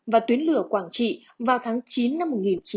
và tuyến lửa quảng trị vào tháng chín năm một nghìn chín trăm bảy mươi năm